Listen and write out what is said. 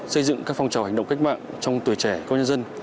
xây dựng các phong trào hành động cách mạng trong tuổi trẻ công nhân dân